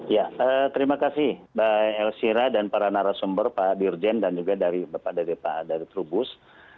ya terima kasih mbak elshira dan para narasumber pak derjian dan juga dari pak dari trubus